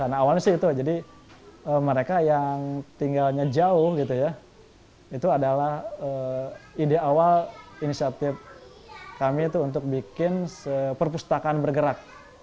awalnya sih itu mereka yang tinggalnya jauh itu adalah ide awal inisiatif kami untuk bikin perpustakaan bergerak